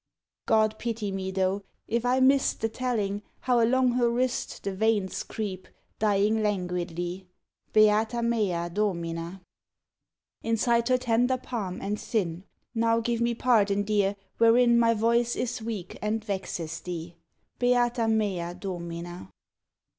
_ God pity me though, if I miss'd The telling, how along her wrist The veins creep, dying languidly Beata mea Domina! Inside her tender palm and thin. Now give me pardon, dear, wherein My voice is weak and vexes thee. _Beata mea Domina!